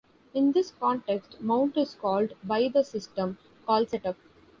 In this context mount is called by the system call setup.